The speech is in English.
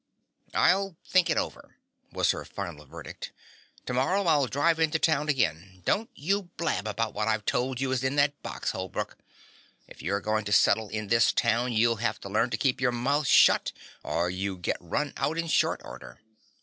"I'll think it over," was her final verdict. "To morrow I'll drive into town again. Don't you blab about what I've told you is in that box, Holbrook. If you're goin' to settle in this town you'll have to learn to keep your mouth shut, or you'll get run out in short order.